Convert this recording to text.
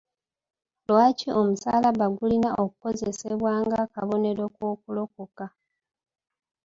Lwaki omusaalaba gulina okukozesebwa ng'akabonero k'okulokoka?